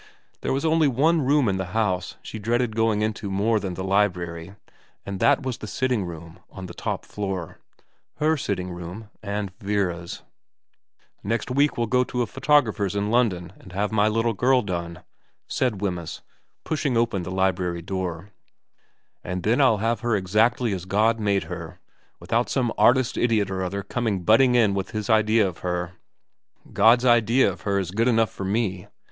There was only one room in the house she dreaded going into more than the library, and that was the sitting room on the top floor, her sitting room and Vera's. VERA 189 ' Next week we'll go to a photographer's in London and have my little girl done,' said Wemyss, pushing open the library door, * and then I'll have her exactly as God made her, without some artist idiot or other coming butting in with his idea of her. God's idea of her is good enough for me.